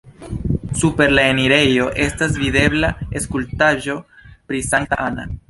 Super la enirejo estas videbla skulptaĵo pri Sankta Anna.